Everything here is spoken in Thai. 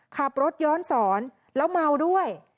ขับรถย้อนสอนแล้วเมาด้วย